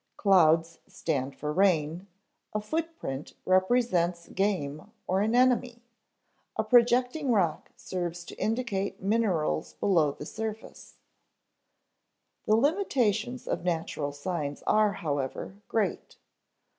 Clouds stand for rain; a footprint represents game or an enemy; a projecting rock serves to indicate minerals below the surface. The limitations of natural signs are, however, great.